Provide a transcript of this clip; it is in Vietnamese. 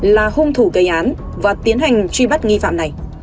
là hung thủ gây án và tiến hành truy bắt nghi phạm này